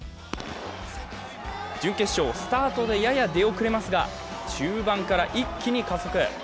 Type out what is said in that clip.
準決勝、スタートでやや出遅れますが、中盤から一気に加速。